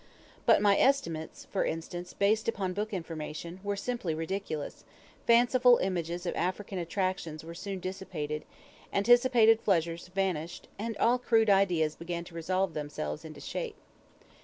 But my estimates, for instance, based upon book information, were simply ridiculous, fanciful images of African attractions were soon dissipated, anticipated pleasures vanished, and all crude ideas began to resolve themselves into shape.